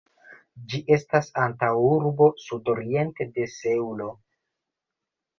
Ĝi estas antaŭurbo sudoriente de Seulo.